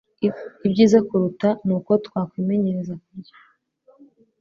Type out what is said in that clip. Ibyiza kuruta ni uko twakwimenyereza kurya